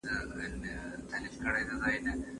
د زعفرانو چای مېلمنو ته وړاندې کېږي.